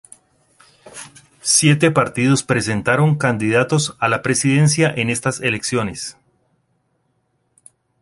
Siete partidos presentaron candidatos a la presidencia en estas elecciones.